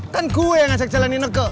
kan gue yang ajak jalanin neko